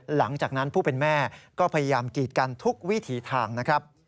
หลังจากนั้นผู้เป็นแม่ก็พยายามกีดกันทุกวิถีทางนะครับ